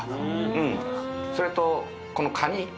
うんそれとこのカニ